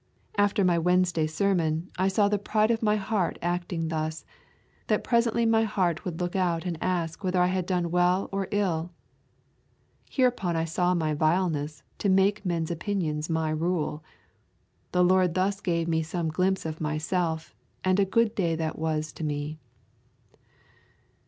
After my Wednesday sermon I saw the pride of my heart acting thus, that presently my heart would look out and ask whether I had done well or ill. Hereupon I saw my vileness to make men's opinions my rule. The Lord thus gave me some glimpse of myself and a good day that was to me.'